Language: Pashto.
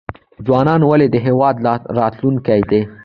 ځوانان ولې د هیواد راتلونکی دی؟